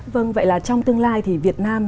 vâng vậy là trong tương lai thì việt nam